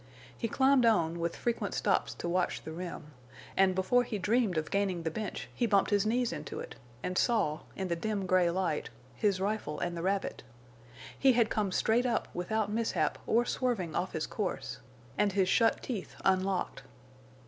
He climbed on, with frequent stops to watch the rim, and before he dreamed of gaining the bench he bumped his knees into it, and saw, in the dim gray light, his rifle and the rabbit. He had come straight up without mishap or swerving off his course, and his shut teeth unlocked.